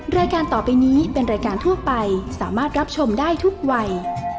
รายการต่อไปนี้เป็นรายการทั่วไปสามารถรับชมได้ทุกวัย